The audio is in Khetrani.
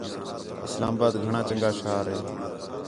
اِسلام آباد گھݨاں چَنڳا شہر ہے